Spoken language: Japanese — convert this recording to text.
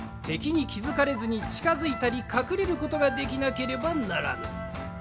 てきにきづかれずにちかづいたりかくれることができなければならぬ。